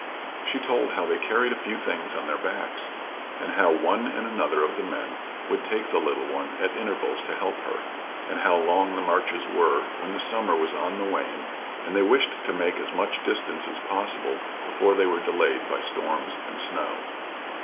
She told how they carried a few things on their backs, and how one and another of the men would take the little one at intervals to help her, and how long the marches were when the summer was on the wane and they wished to make as much distance as possible before they were delayed by storms and snow.